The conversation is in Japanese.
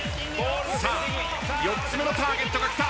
さあ４つ目のターゲットが来た。